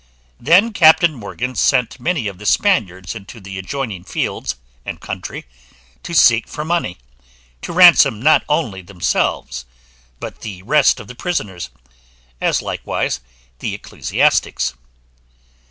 Then Captain Morgan sent many of the Spaniards into the adjoining fields and country to seek for money, to ransom not only themselves, but the rest of the prisoners, as likewise the ecclesiastics.